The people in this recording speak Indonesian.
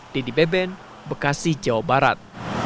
dedy beben bekasi jawa barat